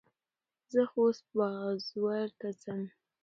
زه خوست بازور ته څم.